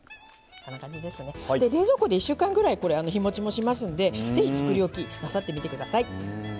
冷蔵庫で１週間ぐらい日もちもするのでぜひ作り置きなさってみてください。